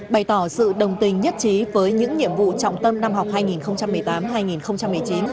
bày tỏ sự đồng tình nhất trí với những nhiệm vụ trọng tâm năm học hai nghìn một mươi tám hai nghìn một mươi chín